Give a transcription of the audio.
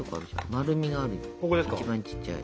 丸味がある一番ちっちゃい。。